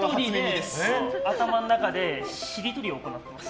頭の中でしりとりを行っています。